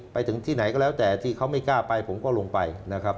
ไปถึงที่ไหนก็แล้วแต่ที่เขาไม่กล้าไปผมก็ลงไปนะครับ